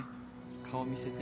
顔見せて。